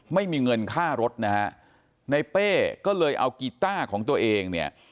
ไม่มีเงินค่ารถนะฮะในเป้ก็เลยเอากีต้าของตัวเองเนี่ย